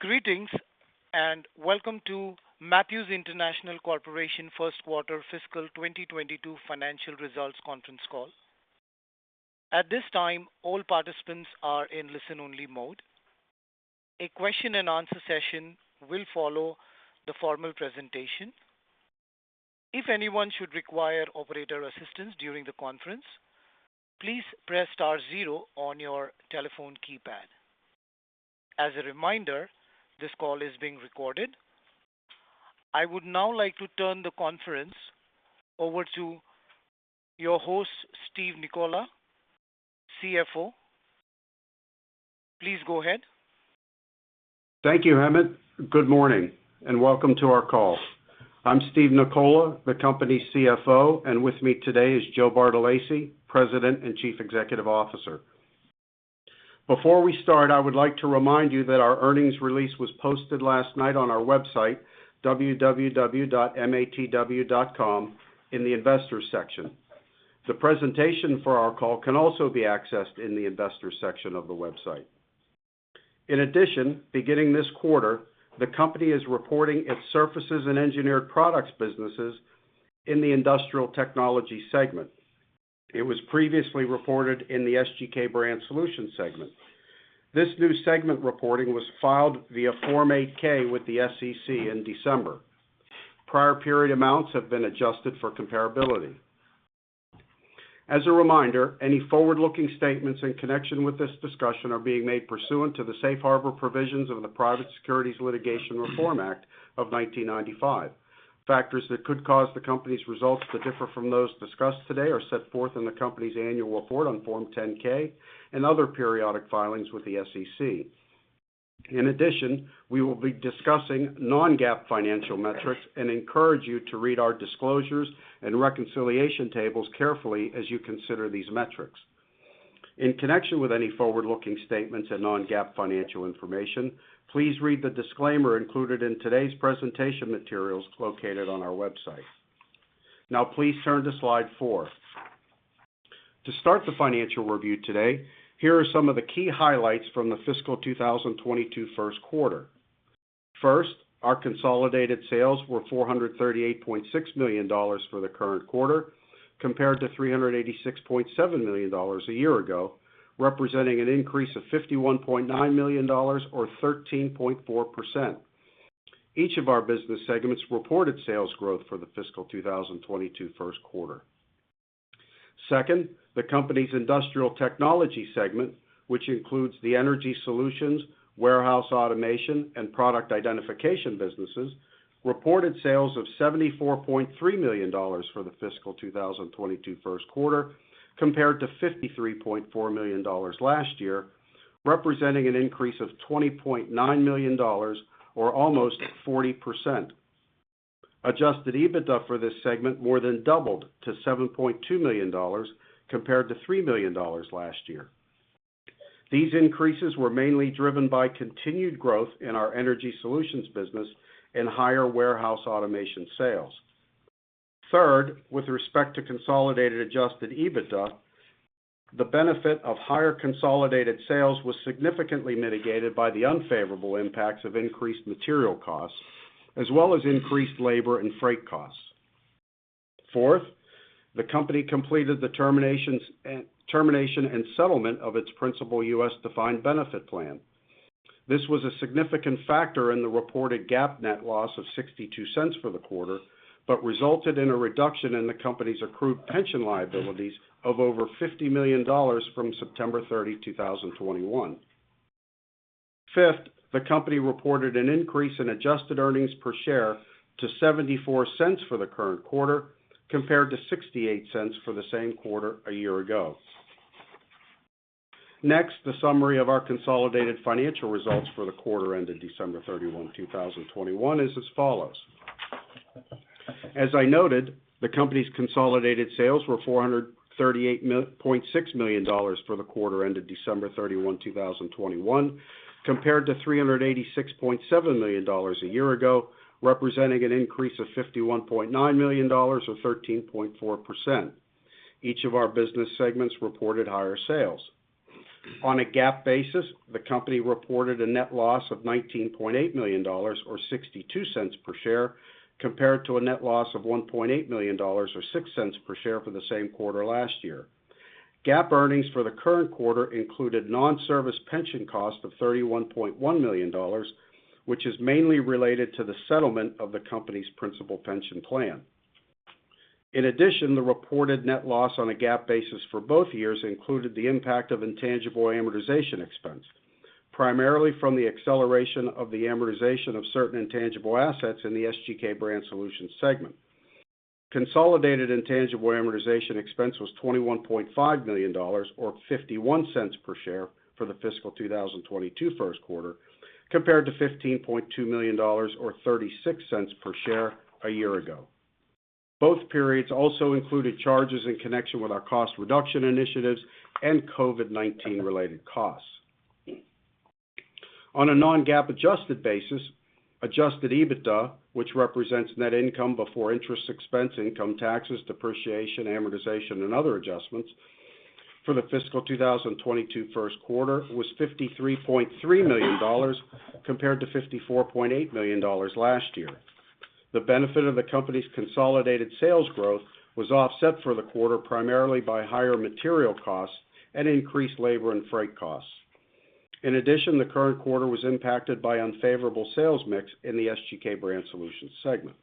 Greetings, and welcome to Matthews International Corporation Q1 fiscal 2022 financial results Conference Call. At this time, all participants are in listen-only mode. A question and answer session will follow the formal presentation. If anyone should require operator assistance during the conference, please press star zero on your telephone keypad. As a reminder, this call is being recorded. I would now like to turn the conference over to your host, Steve Nicola, CFO. Please go ahead. Thank you, Hemant. Good morning and welcome to our call. I'm Steve Nicola, the company's CFO, and with me today is Joe Bartolacci, President and Chief Executive Officer. Before we start, I would like to remind you that our earnings release was posted last night on our website www.matw.com in the Investors section. The presentation for our call can also be accessed in the Investors section of the website. In addition, beginning this quarter, the company is reporting its surfaces and engineered products businesses in the Industrial Technologies segment. It was previously reported in the SGK Brand Solutions segment. This new segment reporting was filed via Form 8-K with the SEC in December. Prior period amounts have been adjusted for comparability. As a reminder, any forward-looking statements in connection with this discussion are being made pursuant to the safe harbor provisions of the Private Securities Litigation Reform Act of 1995. Factors that could cause the company's results to differ from those discussed today are set forth in the company's annual report on Form 10-K and other periodic filings with the SEC. In addition, we will be discussing non-GAAP financial metrics and encourage you to read our disclosures and reconciliation tables carefully as you consider these metrics. In connection with any forward-looking statements and non-GAAP financial information, please read the disclaimer included in today's presentation materials located on our website. Now, please turn to slide four. To start the financial review today, here are some of the key highlights from the fiscal 2022 Q1. First, our consolidated sales were $438.6 million for the current quarter compared to $386.7 million a year ago, representing an increase of $51.9 million or 13.4%. Each of our business segments reported sales growth for the fiscal 2022 Q1. Second, the company's Industrial Technologies segment, which includes the energy solutions, warehouse automation, and product identification businesses, reported sales of $74.3 million for the fiscal 2022 Q1 compared to $53.4 million last year, representing an increase of $20.9 million or almost 40%. Adjusted EBITDA for this segment more than doubled to $7.2 million compared to $3 million last year. These increases were mainly driven by continued growth in our energy solutions business and higher warehouse automation sales. Third, with respect to consolidated adjusted EBITDA, the benefit of higher consolidated sales was significantly mitigated by the unfavorable impacts of increased material costs as well as increased labor and freight costs. Fourth, the company completed the termination and settlement of its principal US defined benefit plan. This was a significant factor in the reported GAAP net loss of $0.62 for the quarter, but resulted in a reduction in the company's accrued pension liabilities of over $50 million from September 30, 2021. Fifth, the company reported an increase in adjusted earnings per share to $0.74 for the current quarter compared to $0.68 for the same quarter a year ago. Next, the summary of our consolidated financial results for the quarter ended December 31, 2021 is as follows. As I noted, the company's consolidated sales were $438.6 million for the quarter ended December 31, 2021, compared to $386.7 million a year ago, representing an increase of $51.9 million or 13.4%. Each of our business segments reported higher sales. On a GAAP basis, the company reported a net loss of $19.8 million or $0.62 per share, compared to a net loss of $1.8 million or $0.06 per share for the same quarter last year. GAAP earnings for the current quarter included non-service pension cost of $31.1 million, which is mainly related to the settlement of the company's principal pension plan. In addition, the reported net loss on a GAAP basis for both years included the impact of intangible amortization expense, primarily from the acceleration of the amortization of certain intangible assets in the SGK Brand Solutions segment. Consolidated intangible amortization expense was $21.5 million or $0.51 per share for the fiscal 2022 Q1 compared to $15.2 million or $0.36 per share a year ago. Both periods also included charges in connection with our cost reduction initiatives and COVID-19-related costs. On a non-GAAP adjusted basis, adjusted EBITDA, which represents net income before interest expense, income taxes, depreciation, amortization, and other adjustments for the fiscal 2022 Q1, was $53.3 million compared to $54.8 million last year. The benefit of the company's consolidated sales growth was offset for the quarter, primarily by higher material costs and increased labor and freight costs. In addition, the current quarter was impacted by unfavorable sales mix in the SGK Brand Solutions segment.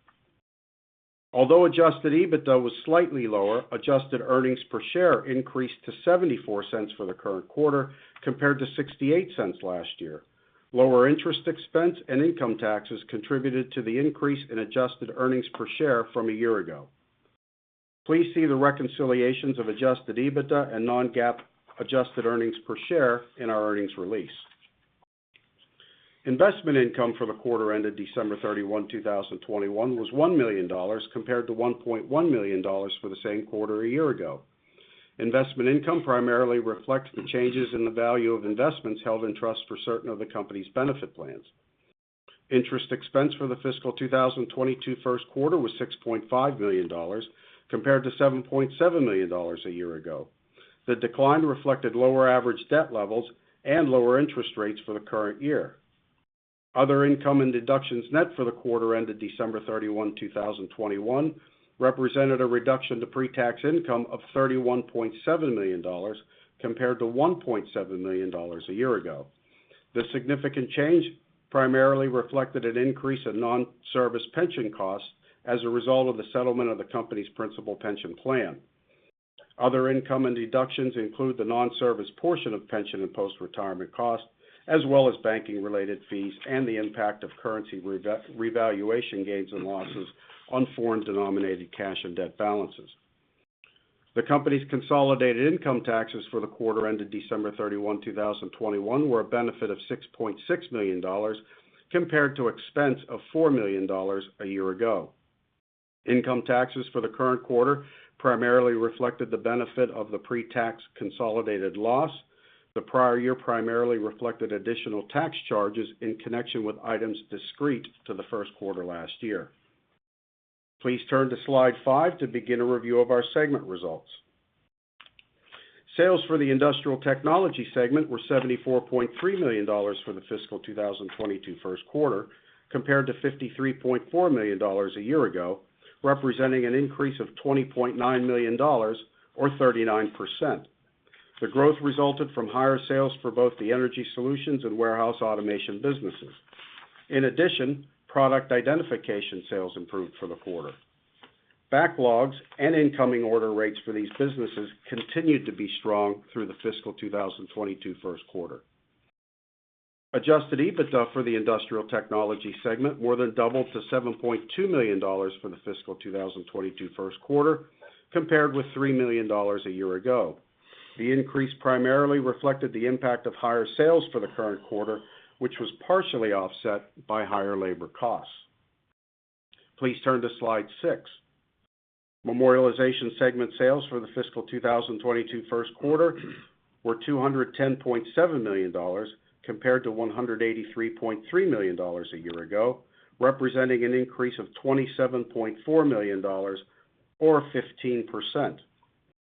Although adjusted EBITDA was slightly lower, adjusted earnings per share increased to $0.74 for the current quarter compared to $0.68 last year. Lower interest expense and income taxes contributed to the increase in adjusted earnings per share from a year ago. Please see the reconciliations of adjusted EBITDA and non-GAAP adjusted earnings per share in our earnings release. Investment income for the quarter ended December 31, 2021 was $1 million, compared to $1.1 million for the same quarter a year ago. Investment income primarily reflects the changes in the value of investments held in trust for certain of the company's benefit plans. Interest expense for the fiscal 2022 Q1 was $6.5 million, compared to $7.7 million a year ago. The decline reflected lower-average debt levels and lower interest rates for the current year. Other income and deductions net for the quarter ended December 31, 2021 represented a reduction to pre-tax income of $31.7 million, compared to $1.7 million a year ago. The significant change primarily reflected an increase in non-service pension costs as a result of the settlement of the company's principal pension plan. Other income and deductions include the non-service portion of pension and post-retirement costs, as well as banking-related fees and the impact of currency revaluation gains and losses on foreign-denominated cash and debt balances. The company's consolidated income taxes for the quarter ended December 31, 2021 were a benefit of $6.6 million, compared to expense of $4 million a year ago. Income taxes for the current quarter primarily reflected the benefit of the pre-tax consolidated loss. The prior year primarily reflected additional tax charges in connection with items discrete to the Q1 last year. Please turn to slide 5 to begin a review of our segment results. Sales for the Industrial Technologies segment were $74.3 million for the fiscal 2022 Q1, compared to $53.4 million a year ago, representing an increase of $20.9 million or 39%. The growth resulted from higher sales for both the Energy Solutions and Warehouse Automation businesses. In addition, Product Identification sales improved for the quarter. Backlogs and incoming order rates for these businesses continued to be strong through the fiscal 2022 Q1. Adjusted EBITDA for the Industrial Technologies segment more than doubled to $7.2 million for the fiscal 2022 Q1, compared with $3 million a year ago. The increase primarily reflected the impact of higher sales for the current quarter, which was partially offset by higher labor costs. Please turn to slide 6. Memorialization segment sales for the fiscal 2022 Q1 were $210.7 million compared to $183.3 million a year ago, representing an increase of $27.4 million or 15%.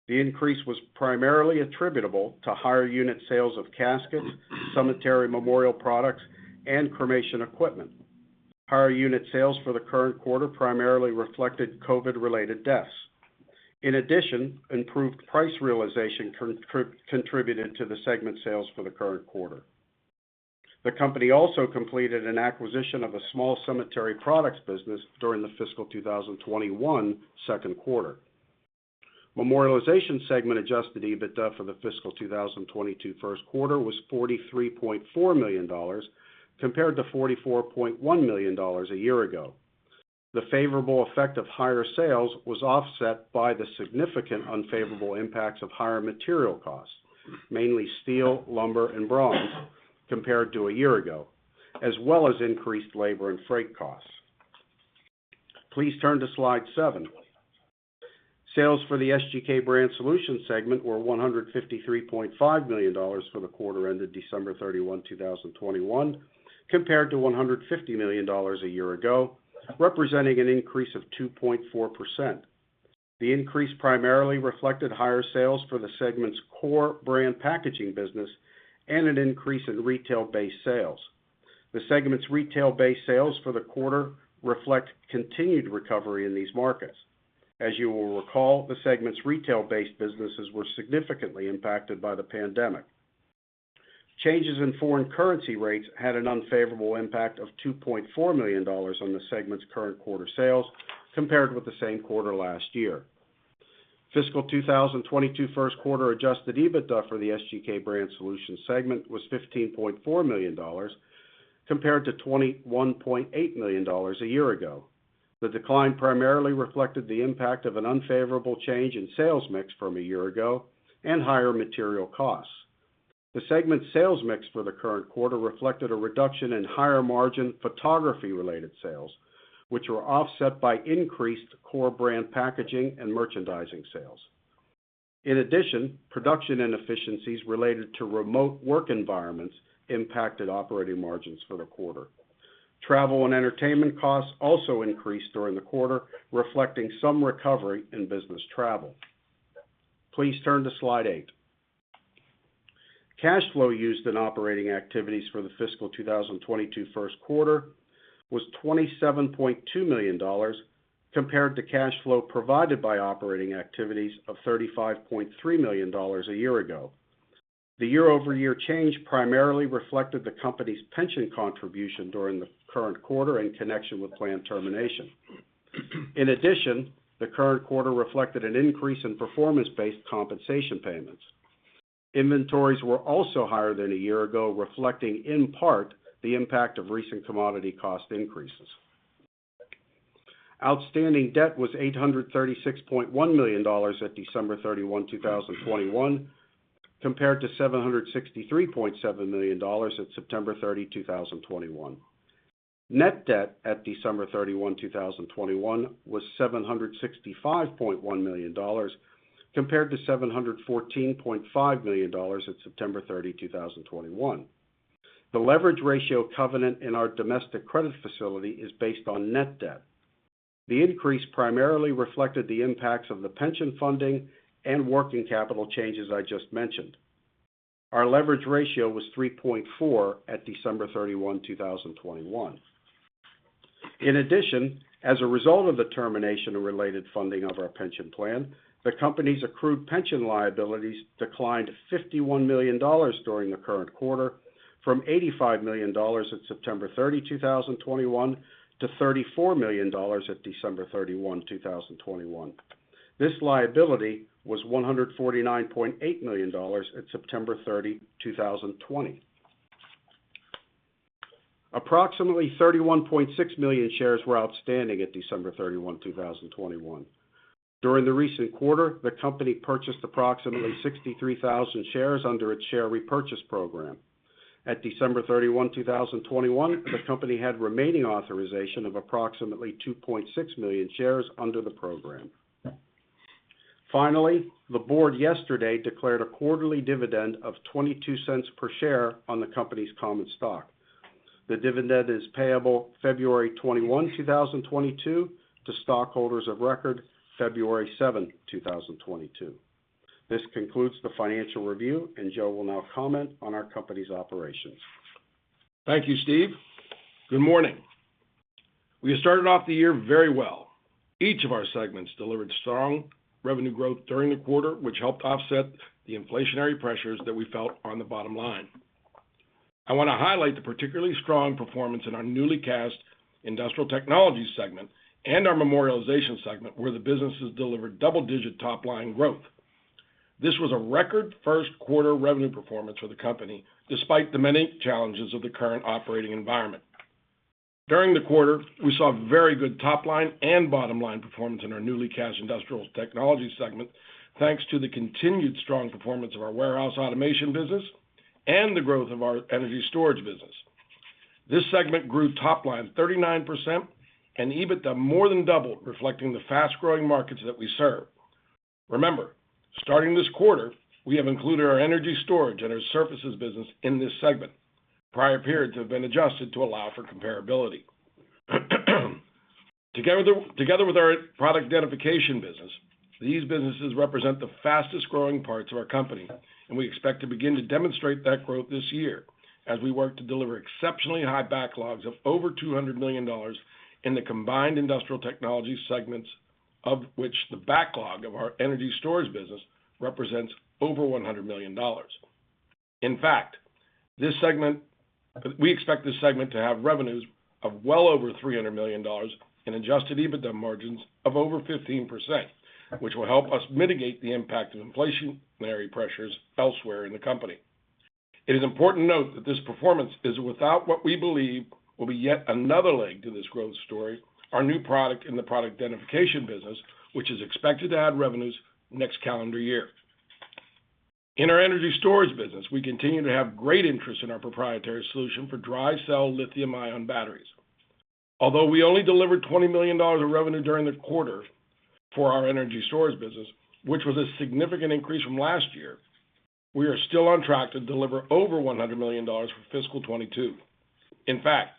The increase was primarily attributable to higher unit sales of caskets, cemetery memorial products, and cremation equipment. Higher unit sales for the current quarter primarily reflected COVID-related deaths. In addition, improved price realization contributed to the segment sales for the current quarter. The company also completed an acquisition of a small cemetery products business during the fiscal 2021 Q2. Memorialization segment adjusted EBITDA for the fiscal 2022 Q1 was $43.4 million, compared to $44.1 million a year ago. The favorable effect of higher sales was offset by the significant unfavorable impacts of higher material costs, mainly steel, lumber, and bronze, compared to a year ago, as well as increased labor and freight costs. Please turn to slide 7. Sales for the SGK Brand Solutions segment were $153.5 million for the quarter ended December 31, 2021, compared to $150 million a year ago, representing an increase of 2.4%. The increase primarily reflected higher sales for the segment's core brand packaging business and an increase in retail-based sales. The segment's retail-based sales for the quarter reflect continued recovery in these markets. As you will recall, the segment's retail-based businesses were significantly impacted by the pandemic. Changes in foreign currency rates had an unfavorable impact of $2.4 million on the segment's current quarter sales compared with the same quarter last year. Fiscal 2022 Q1 adjusted EBITDA for the SGK Brand Solutions segment was $15.4 million, compared to $21.8 million a year ago. The decline primarily reflected the impact of an unfavorable change in sales mix from a year ago and higher material costs. The segment's sales mix for the current quarter reflected a reduction in higher-margin photography-related sales, which were offset by increased core brand packaging and merchandising sales. In addition, production inefficiencies related to remote work environments impacted operating margins for the quarter. Travel and entertainment costs also increased during the quarter, reflecting some recovery in business travel. Please turn to slide 8. Cash flow used in operating activities for the fiscal 2022 Q1 was $27.2 million compared to cash flow provided by operating activities of $35.3 million a year ago. The year-over-year change primarily reflected the company's pension contribution during the current quarter in connection with planned termination. In addition, the current quarter reflected an increase in performance-based compensation payments. Inventories were also higher than a year ago, reflecting in part the impact of recent commodity cost increases. Outstanding debt was $836.1 million at December 31, 2021 compared to $763.7 million at September 30, 2021. Net debt at December 31, 2021 was $765.1 million compared to $714.5 million at September 30, 2021. The leverage ratio covenant in our domestic credit facility is based on net debt. The increase primarily reflected the impacts of the pension funding and working capital changes I just mentioned. Our leverage ratio was 3.4 at December 31, 2021. In addition, as a result of the termination and related funding of our pension plan, the company's accrued pension liabilities declined $51 million during the current quarter from $85 million at September 30, 2021 to $34 million at December 31, 2021. This liability was $149.8 million at September 30, 2020. Approximately 31.6 million shares were outstanding at December 31, 2021. During the recent quarter, the company purchased approximately 63,000 shares under its share repurchase program. At December 31, 2021, the company had remaining authorization of approximately 2.6 million shares under the program. Finally, the board yesterday declared a quarterly dividend of $0.22 per share on the company's common stock. The dividend is payable February 21, 2022 to stockholders of record February 7, 2022. This concludes the financial review, and Joe will now comment on our company's operations. Thank you, Steve. Good morning. We started off the year very well. Each of our segments delivered strong revenue growth during the quarter, which helped offset the inflationary pressures that we felt on the bottom-line. I want to highlight the particularly strong performance in our newly recast Industrial Technologies segment and our Memorialization segment, where the businesses delivered double-digit top-line growth. This was a record Q1 revenue performance for the company, despite the many challenges of the current operating environment. During the quarter, we saw very good top-line and bottom-line performance in our newly recast Industrial Technologies segment, thanks to the continued strong performance of our warehouse automation business and the growth of our energy storage business. This segment grew top-line 39% and EBITDA more than doubled, reflecting the fast-growing markets that we serve. Remember, starting this quarter, we have included our energy storage and our surfaces business in this segment. Prior periods have been adjusted to allow for comparability. Together with our Product Identification business, these businesses represent the fastest-growing parts of our company, and we expect to begin to demonstrate that growth this year as we work to deliver exceptionally high backlogs of over $200 million in the combined Industrial Technologies segments, of which the backlog of our energy storage business represents over $100 million. In fact, this segment, we expect this segment to have revenues of well over $300 million and adjusted EBITDA margins of over 15%, which will help us mitigate the impact of inflationary pressures elsewhere in the company. It is important to note that this performance is without what we believe will be yet another leg to this growth story, our new product in the Product Identification business, which is expected to add revenues next calendar year. In our energy storage business, we continue to have great interest in our proprietary solution for dry cell lithium-ion batteries. Although we only delivered $20 million of revenue during the quarter for our energy storage business, which was a significant increase from last year, we are still on track to deliver over $100 million for fiscal 2022. In fact,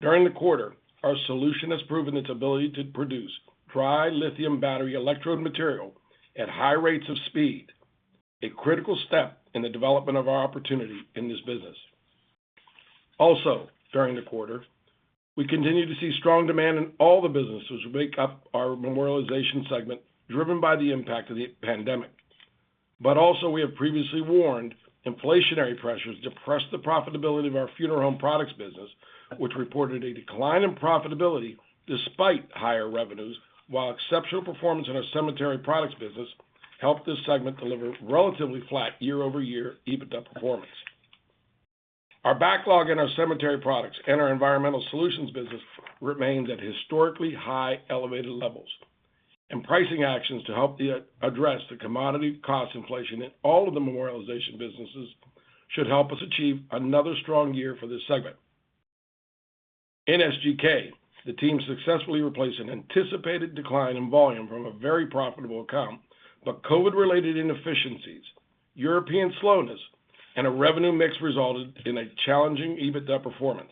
during the quarter, our solution has proven its ability to produce dry lithium battery electrode material at high rates of speed, a critical step in the development of our opportunity in this business. Also, during the quarter, we continued to see strong demand in all the businesses which make up our Memorialization segment, driven by the impact of the pandemic. We have previously warned inflationary pressures depressed the profitability of our funeral home products business, which reported a decline in profitability despite higher revenues, while exceptional performance in our cemetery products business helped this segment deliver relatively flat year-over-year EBITDA performance. Our backlog in our cemetery products and our environmental solutions business remains at historically high elevated levels. Pricing actions to help address the commodity cost inflation in all of the memorialization businesses should help us achieve another strong year for this segment. In SGK, the team successfully replaced an anticipated decline in volume from a very profitable account, but COVID-related inefficiencies, European slowness, and a revenue mix resulted in a challenging EBITDA performance.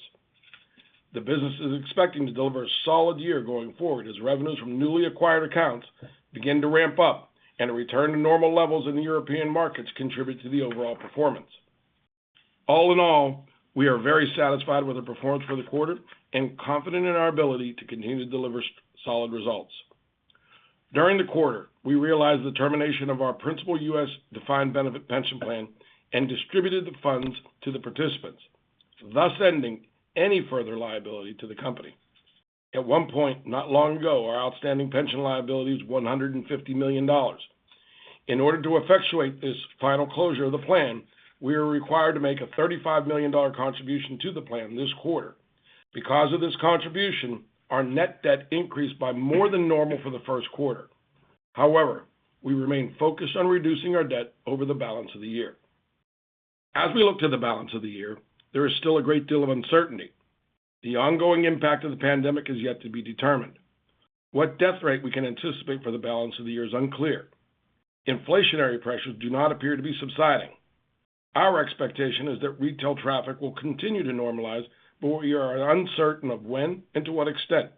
The business is expecting to deliver a solid year going forward as revenues from newly acquired accounts begin to ramp up and a return to normal levels in the European markets contribute to the overall performance. All in all, we are very satisfied with the performance for the quarter and confident in our ability to continue to deliver solid results. During the quarter, we realized the termination of our principal US defined benefit pension plan and distributed the funds to the participants, thus ending any further liability to the company. At one point, not long ago, our outstanding pension liability was $150 million. In order to effectuate this final closure of the plan, we are required to make a $35 million dollar contribution to the plan this quarter. Because of this contribution, our net debt increased by more than normal for the Q1. However, we remain focused on reducing our debt over the balance of the year. As we look to the balance of the year, there is still a great deal of uncertainty. The ongoing impact of the pandemic is yet to be determined. What death rate we can anticipate for the balance of the year is unclear. Inflationary pressures do not appear to be subsiding. Our expectation is that retail traffic will continue to normalize, but we are uncertain of when and to what extent.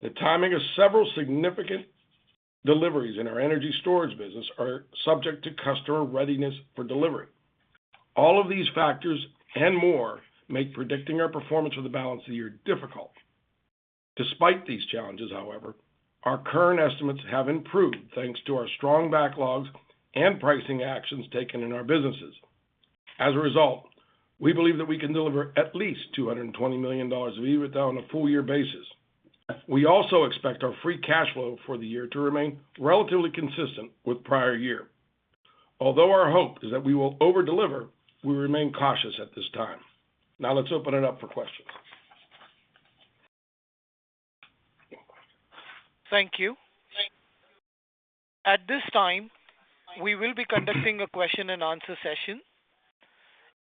The timing of several significant deliveries in our energy storage business are subject to customer readiness for delivery. All of these factors and more make predicting our performance for the balance of the year difficult. Despite these challenges, however, our current estimates have improved thanks to our strong backlogs and pricing actions taken in our businesses. As a result, we believe that we can deliver at least $220 million of EBITDA on a full-year basis. We also expect our free cash flow for the year to remain relatively consistent with prior year. Although our hope is that we will over-deliver, we remain cautious at this time. Now let's open it up for questions. Thank you. At this time, we will be conducting a question and answer session.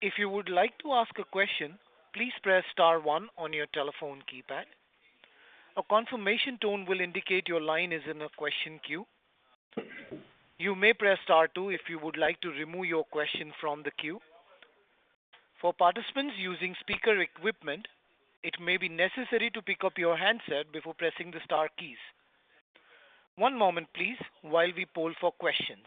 If you would like to ask a question, please press star one on your telephone keypad. A confirmation tone will indicate your line is in a question queue. You may press star two if you would like to remove your question from the queue. For participants using speaker equipment, it may be necessary to pick up your handset before pressing the star keys. One moment, please, while we poll for questions.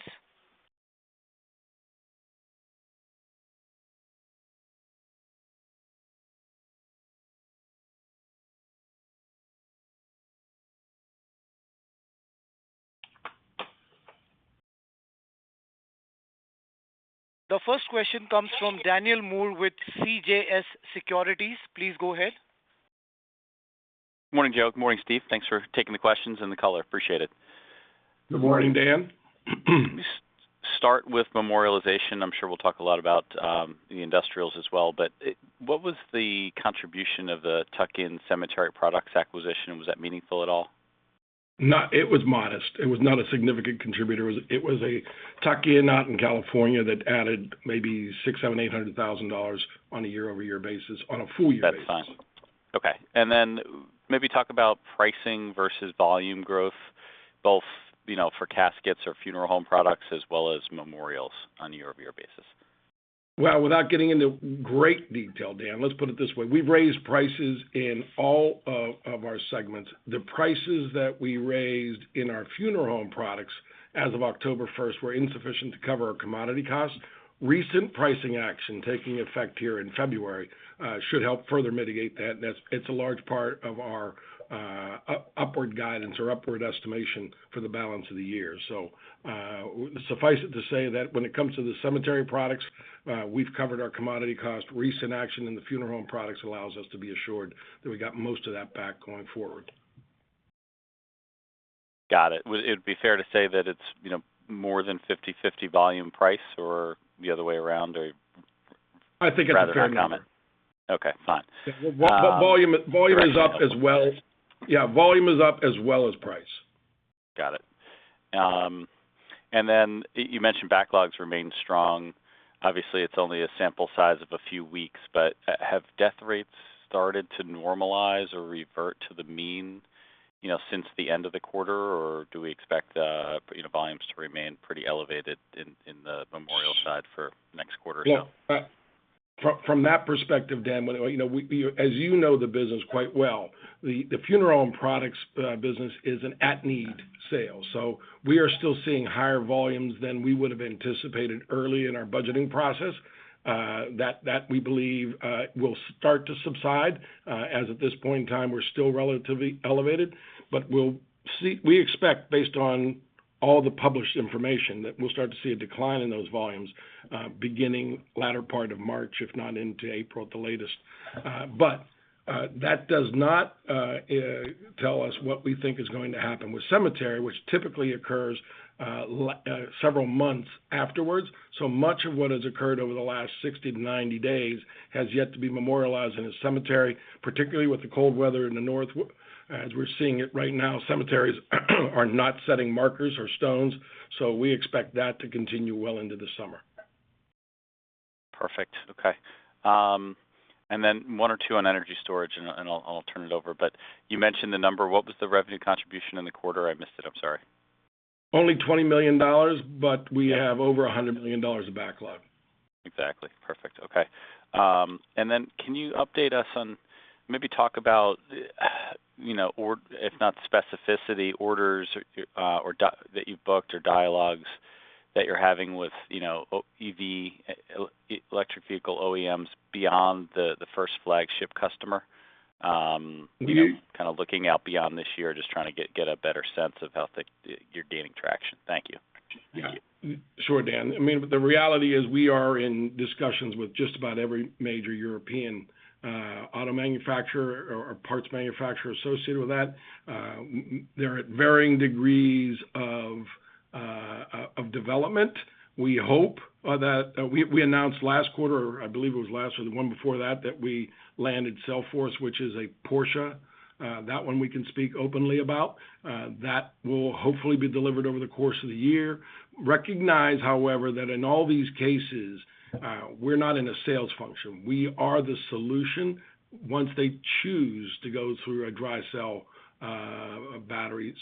The first question comes from Daniel Moore with CJS Securities. Please go ahead. Morning, Joe. Morning, Steve. Thanks for taking the questions and the color. Appreciate it. Good morning, Dan. Start with Memorialization. I'm sure we'll talk a lot about the industrials as well. But what was the contribution of the tuck-in cemetery products acquisition? Was that meaningful at all? No, it was modest. It was not a significant contributor. It was a tuck-in out in California that added maybe $600,000-$800,000 on a year-over-year basis, on a full year basis. That's fine. Okay. Maybe talk about pricing versus volume growth, both, you know, for caskets or funeral home products as well as memorials on a year-over-year basis. Well, without getting into great detail, Dan, let's put it this way. We've raised prices in all of our segments. The prices that we raised in our funeral home products as of October first were insufficient to cover our commodity costs. Recent pricing action taking effect here in February should help further mitigate that. That's. It's a large part of our upward guidance or upward estimation for the balance of the year. Suffice it to say that when it comes to the cemetery products, we've covered our commodity cost. Recent action in the funeral home products allows us to be assured that we got most of that back going forward. Got it. Would it be fair to say that it's, you know, more than 50/50 volume price or the other way around or- I think it's a fair number. Okay, fine. Volume is up as well. Yeah, volume is up as well as price. Got it. You mentioned backlogs remain strong. Obviously, it's only a sample size of a few weeks, but have death rates started to normalize or revert to the mean, you know, since the end of the quarter? Or do we expect, you know, volumes to remain pretty elevated in the Memorial side for next quarter? Yeah. From that perspective, Dan, you know, as you know the business quite well, the funeral home products business is an at need sale. So we are still seeing higher volumes than we would have anticipated early in our budgeting process. That we believe will start to subside. As at this point in time, we're still relatively elevated. We expect based on all the published information that we'll start to see a decline in those volumes beginning latter part of March, if not into April at the latest. That does not tell us what we think is going to happen with cemetery, which typically occurs several months afterwards. Much of what has occurred over the last 60-90 days has yet to be memorialized in a cemetery, particularly with the cold weather in the north. As we're seeing it right now, cemeteries are not setting markers or stones, so we expect that to continue well into the summer. Perfect. Okay. one or two on energy storage, and I'll turn it over. You mentioned the number. What was the revenue contribution in the quarter? I missed it. I'm sorry. Only $20 million, but we have over $100 million of backlog. Exactly. Perfect. Okay. Then can you update us on maybe talk about, you know, or if not specific orders that you've booked or dialogues that you're having with, you know, EV electric vehicle OEMs beyond the first flagship customer, you know, kind of looking out beyond this year, just trying to get a better sense of how quickly you're gaining traction. Thank you. Yeah. Sure, Dan. I mean, the reality is we are in discussions with just about every major European auto manufacturer or parts manufacturer associated with that. They're at varying degrees of development. We announced last quarter, or I believe it was last or the one before that we landed Cellforce, which is a Porsche that one we can speak openly about that will hopefully be delivered over the course of the year. Recognize, however, that in all these cases, we're not in a sales function. We are the solution once they choose to go through a dry cell battery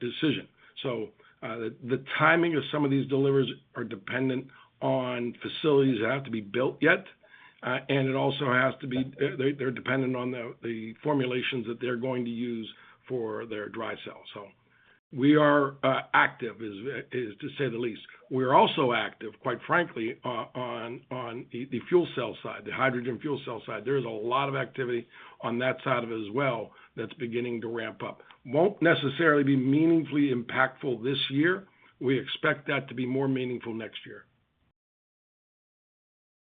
decision. The timing of some of these deliveries are dependent on facilities that have to be built yet, and it also has to be. They're dependent on the formulations that they're going to use for their dry cell. We are active, to say the least. We are also active, quite frankly, on the fuel cell side, the hydrogen fuel cell side. There is a lot of activity on that side of it as well that's beginning to ramp up. It won't necessarily be meaningfully impactful this year. We expect that to be more meaningful next year.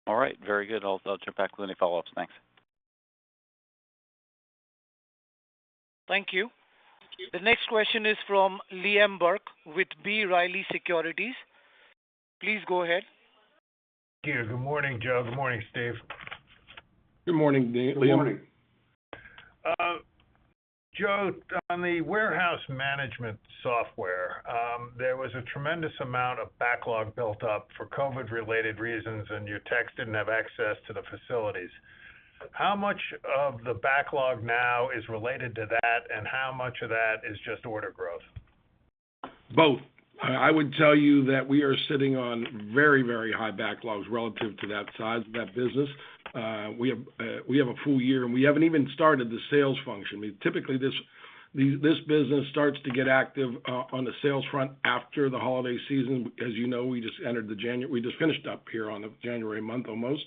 All right. Very good. I'll check back with any follow-ups. Thanks. Thank you. The next question is from Liam Burke with B. Riley Securities. Please go ahead. Thank you. Good morning, Joe. Good morning, Steve. Good morning, Liam. Good morning. Joe, on the warehouse management software, there was a tremendous amount of backlog built up for COVID-related reasons, and your techs didn't have access to the facilities. How much of the backlog now is related to that, and how much of that is just order growth? Both. I would tell you that we are sitting on very, very high backlogs relative to that size of that business. We have a full-year, and we haven't even started the sales function. Typically, this business starts to get active on the sales front after the holiday season. As you know, we just finished up here on the January month almost.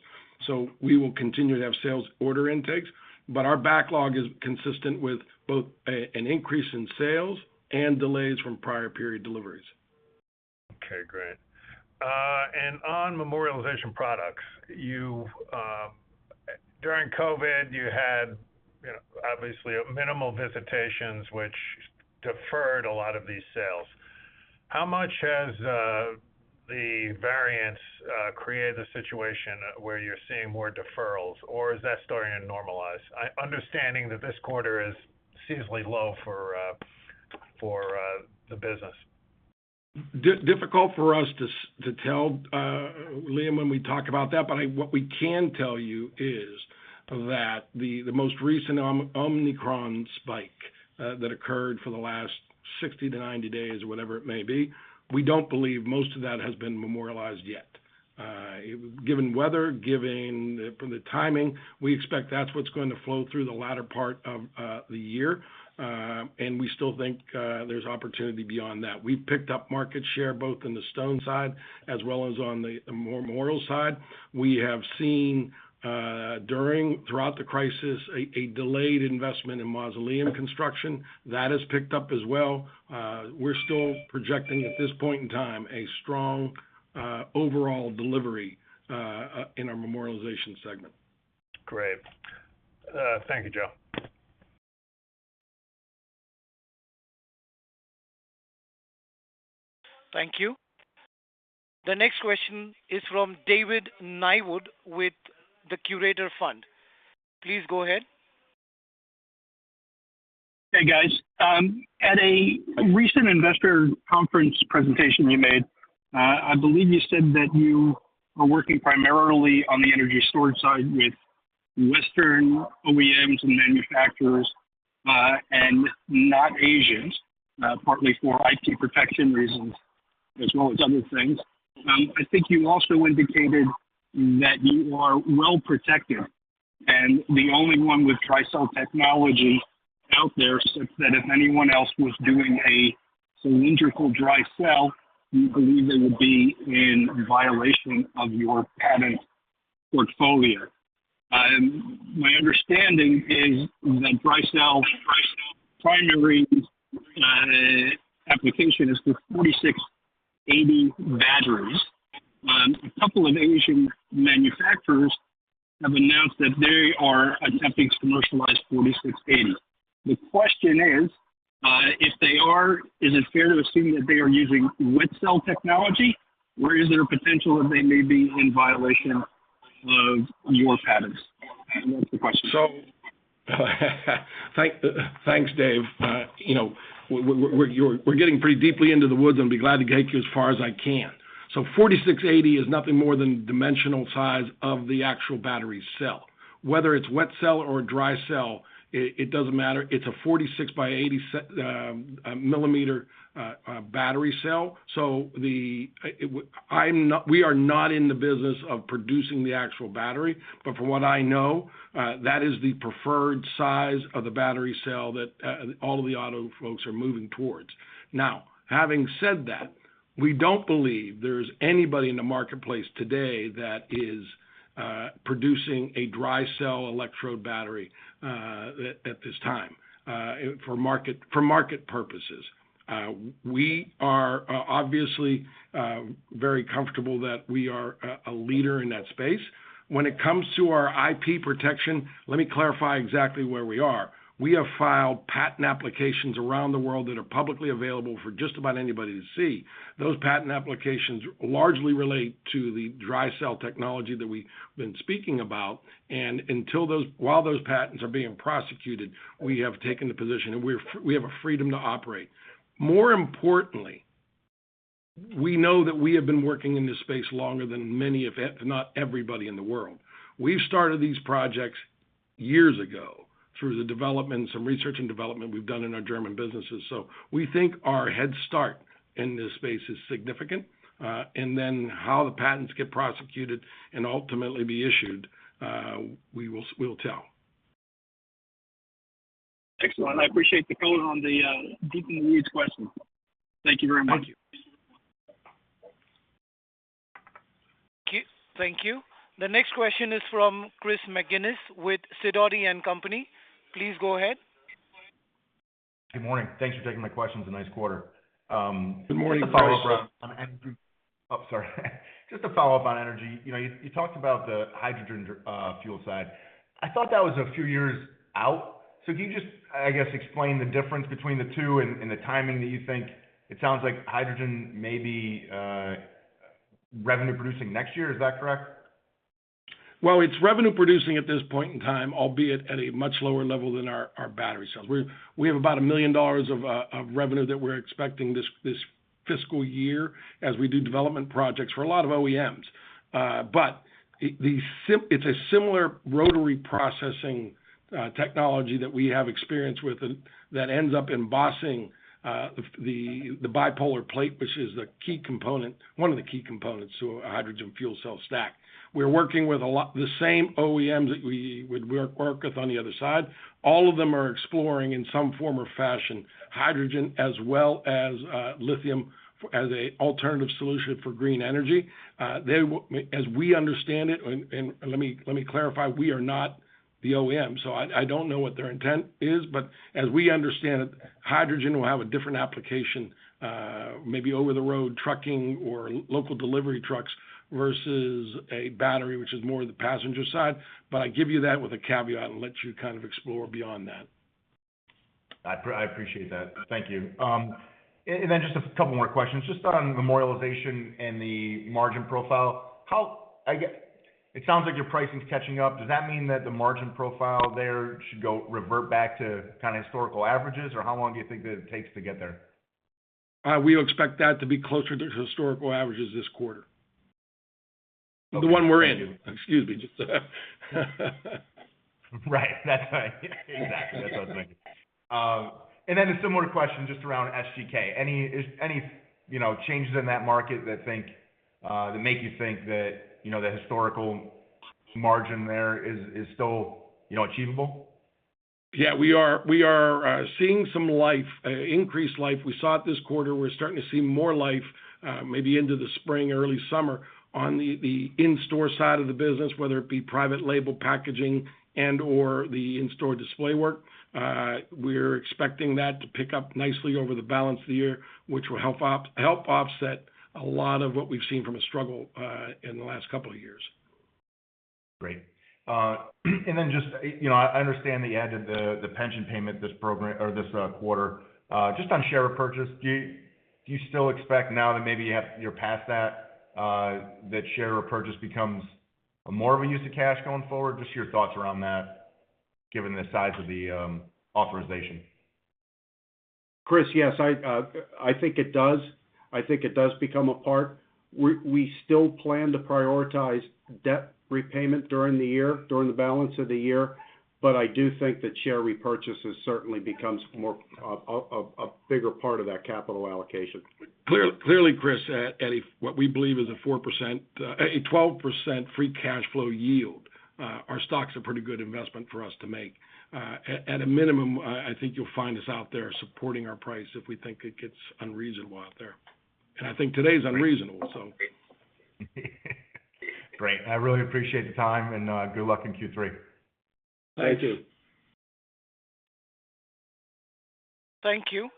We will continue to have sales order intakes, but our backlog is consistent with both an increase in sales and delays from prior period deliveries. Okay, great. And on Memorialization products, you during COVID, you had, you know, obviously minimal visitations, which deferred a lot of these sales. How much has the variants created a situation where you're seeing more deferrals, or is that starting to normalize? Understanding that this quarter is seasonally low for the business. Difficult for us to tell, Liam, when we talk about that. What we can tell you is that the most recent Omicron spike that occurred for the last 60-90 days or whatever it may be, we don't believe most of that has been memorialized yet. Given weather, given the timing, we expect that's what's going to flow through the latter part of the year, and we still think there's opportunity beyond that. We've picked up market share both in the stone side as well as on the memorial side. We have seen throughout the crisis a delayed investment in mausoleum construction. That has picked up as well. We're still projecting at this point in time a strong overall delivery in our Memorialization segment. Great. Thank you, Joe. Thank you. The next question is from David Niewood with The Curator Fund. Please go ahead. Hey, guys. At a recent investor conference presentation you made, I believe you said that you are working primarily on the energy storage side with Western OEMs and manufacturers, and not Asians, partly for IP protection reasons as well as other things. I think you also indicated that you are well-protected, and the only one with dry cell technology out there, such that if anyone else was doing a cylindrical dry cell, you believe they would be in violation of your patent portfolio. My understanding is that dry cell's primary application is for 4680 batteries. A couple of Asian manufacturers have announced that they are attempting to commercialize 4680. The question is, if they are, is it fair to assume that they are using wet cell technology, or is there a potential that they may be in violation of your patents? That's the question. Thanks, Dave. You know, we're getting pretty deeply into the woods. I'll be glad to take you as far as I can. 4680 is nothing more than dimensional size of the actual battery cell. Whether it's wet cell or dry cell, it doesn't matter. It's a 46 by 80 millimeter battery cell. We are not in the business of producing the actual battery, but from what I know, that is the preferred size of the battery cell that all of the auto folks are moving towards. Now, having said that, we don't believe there's anybody in the marketplace today that is producing a dry cell electrode battery at this time for market purposes. We are obviously very comfortable that we are a leader in that space. When it comes to our IP protection, let me clarify exactly where we are. We have filed patent applications around the world that are publicly available for just about anybody to see. Those patent applications largely relate to the dry cell technology that we've been speaking about. While those patents are being prosecuted, we have taken the position, and we have a freedom to operate. More importantly, we know that we have been working in this space longer than many of, if not everybody in the world. We've started these projects years ago through the development, some research and development we've done in our German businesses. We think our head start in this space is significant. How the patents get prosecuted and ultimately be issued, we will tell. Excellent. I appreciate the color on the deep in the weeds question. Thank you very much. Thank you. Thank you. Thank you. The next question is from Chris McGinnis with Sidoti & Company. Please go ahead. Good morning. Thanks for taking my questions, a nice quarter. Good morning, Chris. Just a follow-up on energy. You know, you talked about the hydrogen fuel side. I thought that was a few years out. Can you just, I guess, explain the difference between the two and the timing that you think? It sounds like hydrogen may be revenue producing next year. Is that correct? Well, it's revenue producing at this point in time, albeit at a much lower-level than our battery cells. We have about $1 million of revenue that we're expecting this fiscal year as we do development projects for a lot of OEMs. But it's a similar rotary processing technology that we have experience with that ends up embossing the bipolar plate, which is the key component, one of the key components to a hydrogen fuel cell stack. We're working with the same OEMs that we work with on the other side. All of them are exploring in some form or fashion, hydrogen as well as lithium as a alternative solution for green energy. As we understand it, and let me clarify, we are not the OEM, so I don't know what their intent is. As we understand it, hydrogen will have a different application, maybe over the road trucking or local delivery trucks versus a battery, which is more the passenger side. I give you that with a caveat and let you kind of explore beyond that. I appreciate that. Thank you. And then just a couple more questions. Just on Memorialization and the margin profile. It sounds like your pricing is catching up. Does that mean that the margin profile there should revert back to kinda historical averages? Or how long do you think that it takes to get there? We expect that to be closer to historical averages this quarter. Okay. The one we're in. Excuse me. Right. That's right. Exactly. That's what I was thinking. A similar question just around SGK. Any, you know, changes in that market that make you think that, you know, the historical margin there is still, you know, achievable? Yeah. We are seeing some life, increased life. We saw it this quarter. We're starting to see more life, maybe into the spring, early summer on the in-store side of the business, whether it be private label packaging and/or the in-store display work. We're expecting that to pick up nicely over the balance of the year, which will help offset a lot of what we've seen from a struggle in the last couple of years. Great. Just, you know, I understand the add of the pension payment this quarter. Just on share repurchase, do you still expect now that maybe you're past that share repurchase becomes more of a use of cash going forward? Just your thoughts around that, given the size of the authorization. Chris, yes, I think it does. I think it does become a part. We still plan to prioritize debt repayment during the year, during the balance of the year, but I do think that share repurchase has certainly becomes more of a bigger part of that capital allocation. Clearly, Chris, at a what we believe is a 4%, 12% free cash flow yield, our stock's a pretty good investment for us to make. At a minimum, I think you'll find us out there supporting our price if we think it gets unreasonable out there. I think today's unreasonable, so. Great. I really appreciate the time, and good luck in Q3. Thank you. Thank you.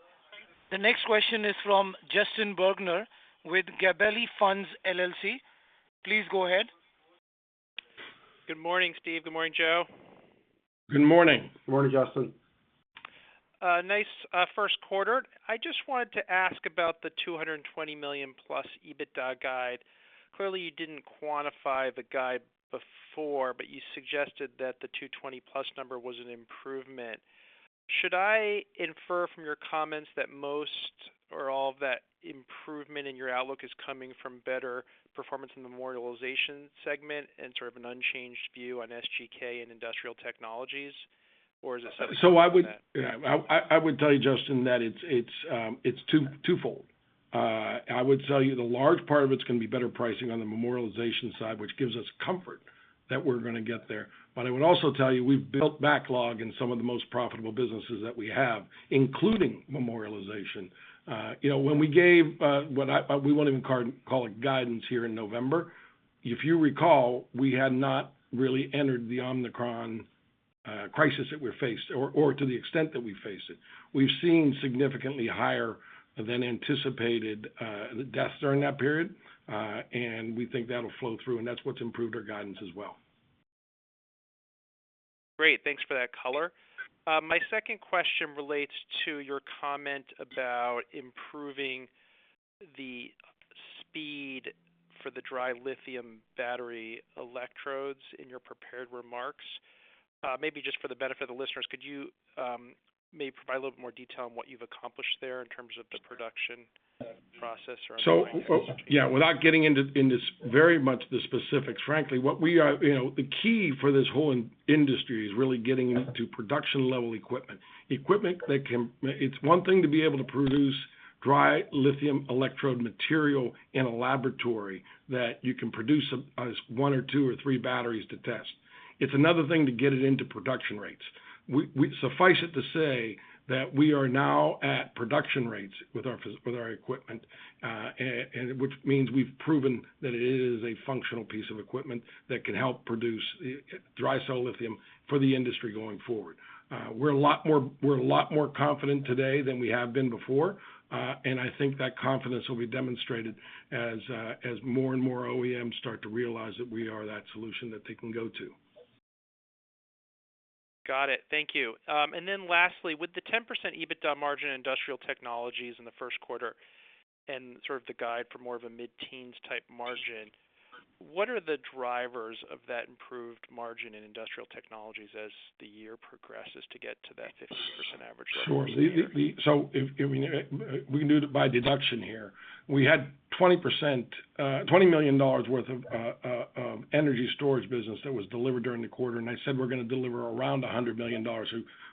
The next question is from Justin Bergner with Gabelli Funds LLC. Please go ahead. Good morning, Steve. Good morning, Joe. Good morning. Good morning, Justin. Nice, Q1. I just wanted to ask about the $220 million plus EBITDA guide. Clearly, you didn't quantify the guide before, but you suggested that the $220+ number was an improvement. Should I infer from your comments that most or all of that improvement in your outlook is coming from better performance in the Memorialization segment and sort of an unchanged view on SGK and Industrial Technologies, or is it something different than that? I would tell you, Justin, that it's twofold. I would tell you the large part of it's gonna be better pricing on the Memorialization side, which gives us comfort that we're gonna get there. I would also tell you, we've built backlog in some of the most profitable businesses that we have, including Memorialization. You know, when we gave. We won't even call it guidance here in November. If you recall, we had not really entered the Omicron crisis that we faced or to the extent that we faced it. We've seen significantly higher than anticipated deaths during that period. We think that'll flow through, and that's what's improved our guidance as well. Great, thanks for that color. My second question relates to your comment about improving the speed for the dry lithium battery electrodes in your prepared remarks. Maybe just for the benefit of the listeners, could you maybe provide a little more detail on what you've accomplished there in terms of the production process or anything like that? Without getting into very much the specifics, frankly, what we are. You know, the key for this whole in the industry is really getting to production level equipment. Equipment that can. It's one thing to be able to produce dry lithium electrode material in a laboratory that you can produce as one or two or three batteries to test. It's another thing to get it into production rates. Suffice it to say that we are now at production rates with our equipment, and which means we've proven that it is a functional piece of equipment that can help produce dry cell lithium for the industry going forward. We're a lot more confident today than we have been before, and I think that confidence will be demonstrated as more and more OEMs start to realize that we are that solution that they can go to. Got it. Thank you. Lastly, with the 10% EBITDA margin in Industrial Technologies in the Q1 and sort of the guide for more of a mid-teens type margin, what are the drivers of that improved margin in Industrial Technologies as the year progresses to get to that 50% average revenue for the year? Sure. We can do it by deduction here. We had $20 million worth of energy storage business that was delivered during the quarter, and I said we're gonna deliver around $100 million.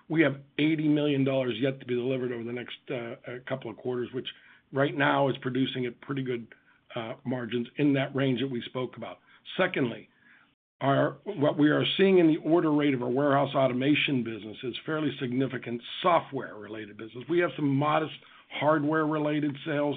We have $80 million yet to be delivered over the next couple of quarters, which right now is producing at pretty good margins in that range that we spoke about. Secondly, what we are seeing in the order rate of our warehouse automation business is fairly significant software-related business. We have some modest hardware-related sales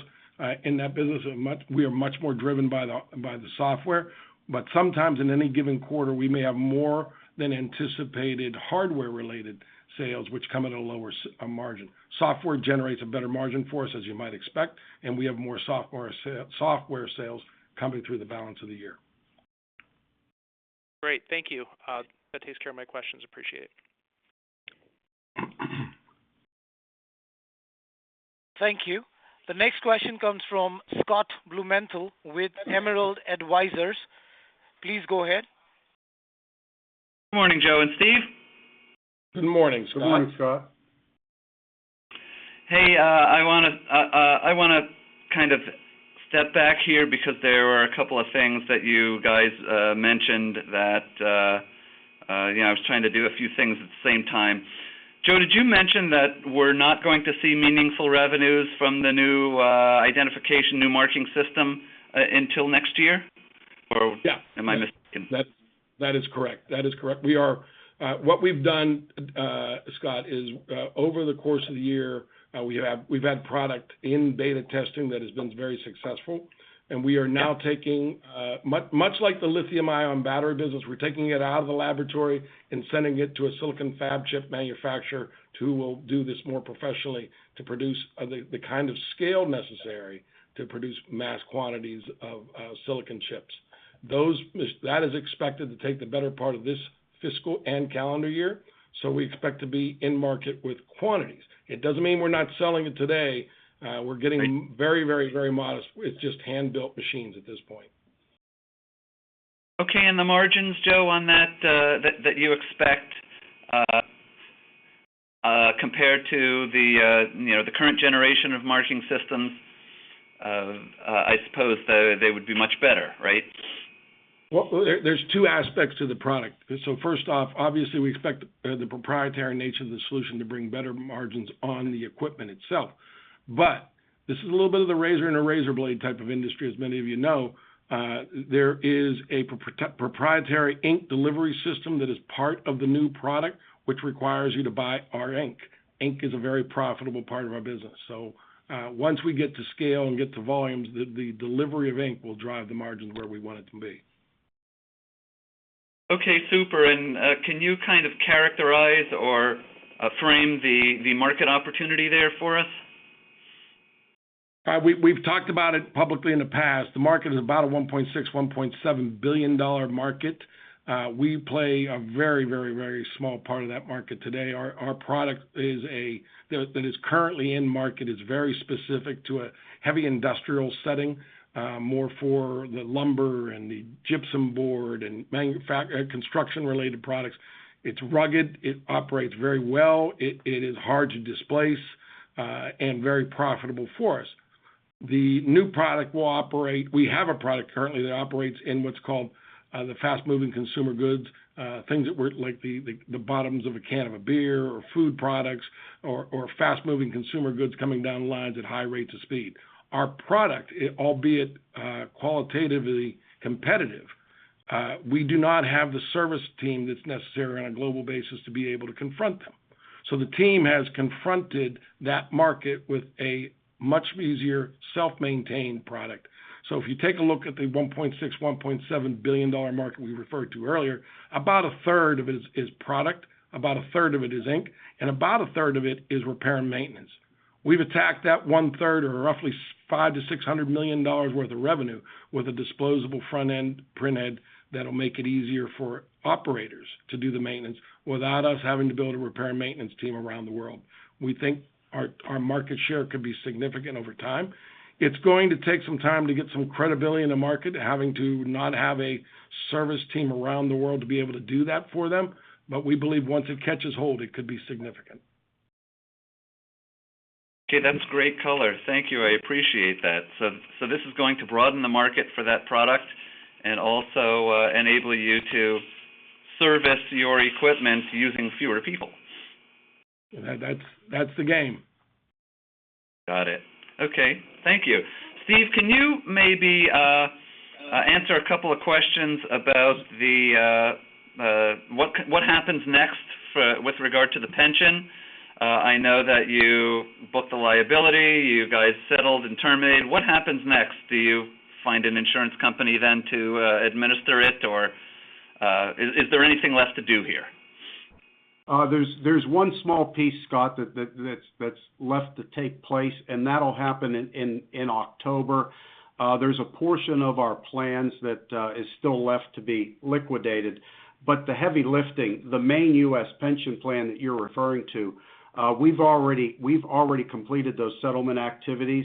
in that business, and we are much more driven by the software. But sometimes in any given quarter, we may have more than anticipated hardware-related sales, which come at a lower-margin. Software generates a better margin for us, as you might expect, and we have more software sales coming through the balance of the year. Great. Thank you. That takes care of my questions. Appreciate it. Thank you. The next question comes from Scott Blumenthal with Emerald Advisers. Please go ahead. Good morning, Joe and Steve. Good morning, Scott. Good morning. Hey, I wanna kind of step back here because there were a couple of things that you guys mentioned that, you know, I was trying to do a few things at the same time. Joe, did you mention that we're not going to see meaningful revenues from the new identification, new marking system until next year? Or- Yeah. Am I mistaken? That is correct. What we've done, Scott, is over the course of the year, we've had product in beta testing that has been very successful, and we are now taking much like the lithium ion battery business, we're taking it out of the laboratory and sending it to a silicon fab chip manufacturer who will do this more professionally to produce the kind of scale necessary to produce mass quantities of silicon chips. That is expected to take the better part of this fiscal and calendar year, so we expect to be in market with quantities. It doesn't mean we're not selling it today. We're getting very modest. It's just hand-built machines at this point. Okay. The margins, Joe, on that that you expect, compared to, you know, the current generation of marking systems, I suppose they would be much better, right? There are two aspects to the product. First off, obviously, we expect the proprietary nature of the solution to bring better margins on the equipment itself. This is a little bit of the razor and a razor blade type of industry, as many of you know. There is a proprietary ink delivery system that is part of the new product, which requires you to buy our ink. Ink is a very profitable part of our business. Once we get to scale and get to volumes, the delivery of ink will drive the margins where we want it to be. Okay, super. Can you kind of characterize or frame the market opportunity there for us? We've talked about it publicly in the past. The market is about a $1.6-$1.7 billion market. We play a very small part of that market today. Our product that is currently in market is very specific to a heavy industrial setting, more for the lumber and the gypsum board and construction-related products. It's rugged. It operates very well. It is hard to displace and very profitable for us. The new product will operate. We have a product currently that operates in what's called the fast-moving consumer goods, things like the bottoms of a can of beer or food products or fast-moving consumer goods coming down lines at high rates of speed. Our product, albeit qualitatively competitive, we do not have the service team that's necessary on a global basis to be able to confront them. The team has confronted that market with a much easier self-maintained product. If you take a look at the $1.6-$1.7 billion market we referred to earlier, about a third of it is product, about a third of it is ink, and about a third of it is repair and maintenance. We've attacked that one-third or roughly $500-$600 million dollars worth of revenue with a disposable front-end printhead that'll make it easier for operators to do the maintenance without us having to build a repair and maintenance team around the world. We think our market share could be significant over time. It's going to take some time to get some credibility in the market, having to not have a service team around the world to be able to do that for them, but we believe once it catches hold, it could be significant. Okay, that's great color. Thank you. I appreciate that. This is going to broaden the market for that product and also enable you to service your equipment using fewer people. That's the game. Got it. Okay. Thank you. Steve, can you maybe answer a couple of questions about what happens next with regard to the pension? I know that you booked the liability, you guys settled and terminated. What happens next? Do you find an insurance company then to administer it, or is there anything left to do here? There's one small piece, Scott, that's left to take place, and that'll happen in October. There's a portion of our plans that is still left to be liquidated. The heavy lifting, the main US pension plan that you're referring to, we've already completed those settlement activities.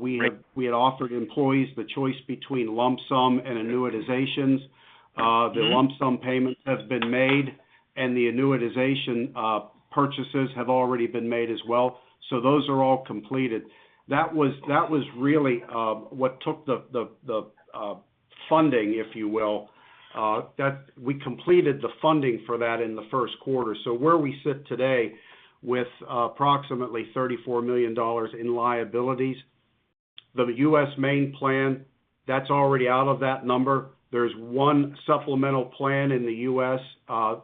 We had Great. We had offered employees the choice between lump sum and annuitizations. The lump sum payments have been made, and the annuitization purchases have already been made as well. So those are all completed. That was really what took the funding, if you will. We completed the funding for that in the Q1. So where we sit today with approximately $34 million in liabilities, the US main plan, that's already out of that number. There's one supplemental plan in the US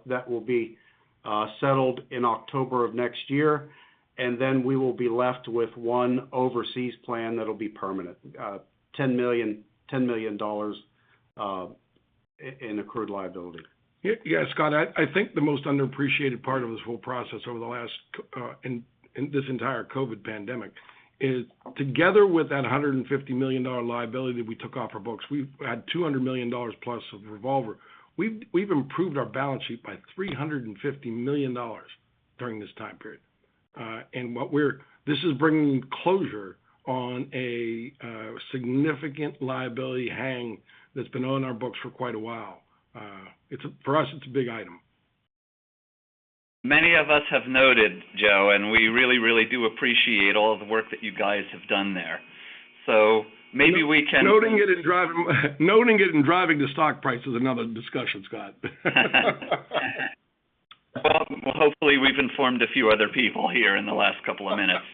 that will be settled in October of next year, and then we will be left with one overseas plan that'll be permanent. $10 million in accrued liability. Yeah, Scott, I think the most underappreciated part of this whole process over the last in this entire COVID pandemic is together with that $150 million liability that we took off our books, we've had $200 million plus of revolver. We've improved our balance sheet by $350 million during this time period. This is bringing closure on a significant liability hang that's been on our books for quite a while. For us, it's a big item. Many of us have noted, Joe, and we really, really do appreciate all of the work that you guys have done there. Maybe we can- Noting it and driving the stock price is another discussion, Scott. Well, hopefully, we've informed a few other people here in the last couple of minutes.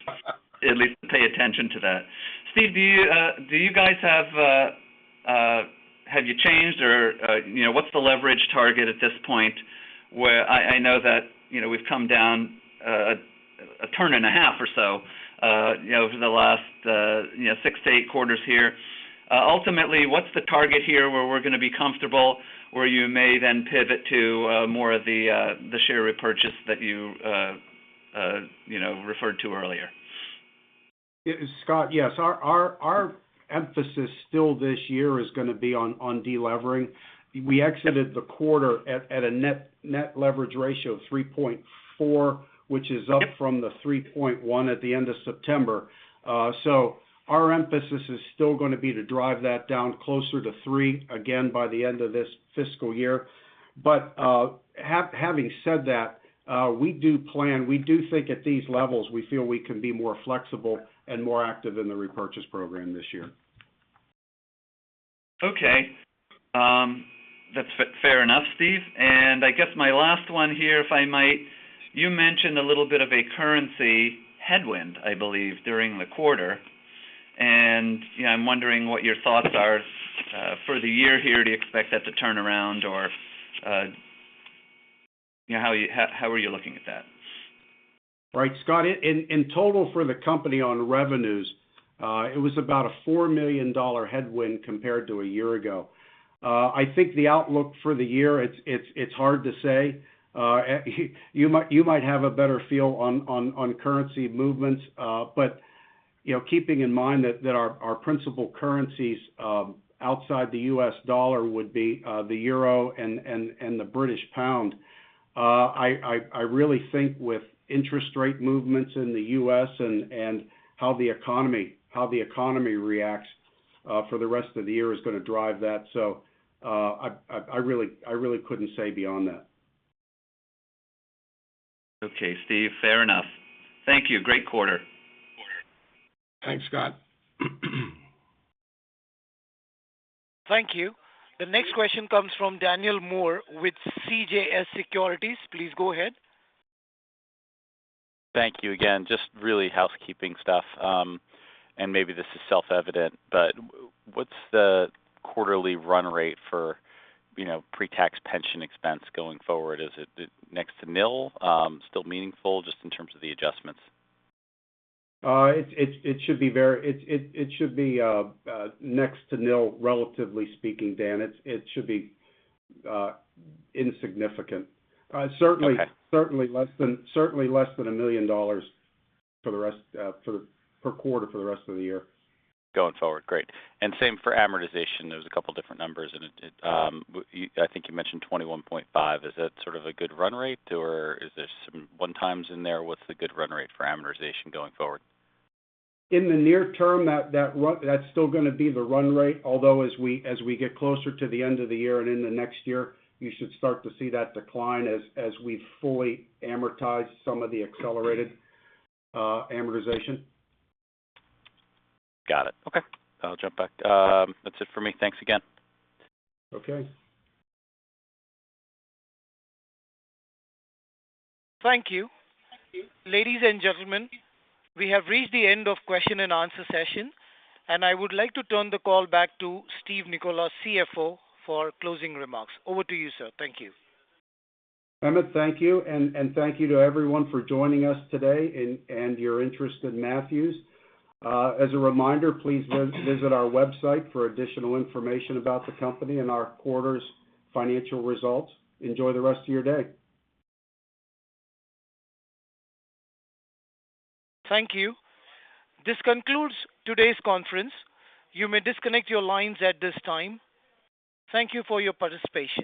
At least to pay attention to that. Steve, do you guys have... Have you changed or, you know, what's the leverage target at this point where... I know that, you know, we've come down a turn and a half or so, you know, over the last 6-8 quarters here. Ultimately, what's the target here where we're gonna be comfortable, where you may then pivot to more of the share repurchase that you know, referred to earlier? Scott, yes. Our emphasis still this year is gonna be on delevering. We exited the quarter at a net leverage ratio of 3.4, which is up from the 3.1 at the end of September. Our emphasis is still gonna be to drive that down closer to 3 again by the end of this fiscal year. Having said that, we do plan, we do think at these levels, we feel we can be more flexible and more active in the repurchase program this year. Okay. That's fair enough, Steve. I guess my last one here, if I might, you mentioned a little bit of a currency headwind, I believe, during the quarter. You know, I'm wondering what your thoughts are for the year here. Do you expect that to turn around or, you know, how are you looking at that? Right. Scott, in total for the company on revenues, it was about a $4 million headwind compared to a year ago. I think the outlook for the year, it's hard to say. You might have a better feel on currency movements. You know, keeping in mind that our principal currencies outside the US dollar would be the euro and the British pound. I really think with interest rate movements in the US and how the economy reacts for the rest of the year is gonna drive that. I really couldn't say beyond that. Okay, Steve, fair enough. Thank you. Great quarter. Thanks, Scott. Thank you. The next question comes from Daniel Moore with CJS Securities. Please go ahead. Thank you again. Just really housekeeping stuff, and maybe this is self-evident, but what's the quarterly run rate for, you know, pre-tax pension expense going forward? Is it next to nil? Still meaningful just in terms of the adjustments? It should be next to nil, relatively speaking, Dan. It should be insignificant. Okay. Certainly less than $1 million per quarter for the rest of the year. Going forward, great. Same for amortization. There's a couple different numbers, and it, you, I think you mentioned 21.5. Is that sort of a good run rate, or is there some one times in there? What's the good run rate for amortization going forward? In the near term, that run that's still gonna be the run rate. Although as we get closer to the end of the year and in the next year, you should start to see that decline as we fully amortize some of the accelerated amortization. Got it. Okay. I'll jump back. That's it for me. Thanks again. Okay. Thank you. Ladies and gentlemen, we have reached the end of question and answer session, and I would like to turn the call back to Steve Nicola, CFO, for closing remarks. Over to you, sir. Thank you. Hemant, thank you. Thank you to everyone for joining us today and your interest in Matthews. As a reminder, please visit our website for additional information about the company and our quarter's financial results. Enjoy the rest of your day. Thank you. This concludes today's conference. You may disconnect your lines at this time. Thank you for your participation.